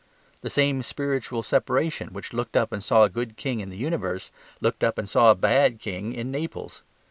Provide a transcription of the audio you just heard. The same spiritual separation which looked up and saw a good king in the universe looked up and saw a bad king in Naples.